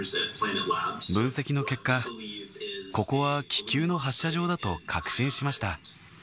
分析の結果、ここは気球の発射場だと確信しました。